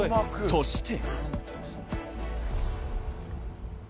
そして。